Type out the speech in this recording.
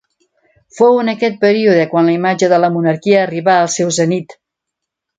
Fou en aquest període quan la imatge de la monarquia arribà al seu zenit.